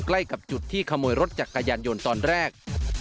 ใกล้กับจุดที่ขโมยรถจักรยานยนต์ตอนแรก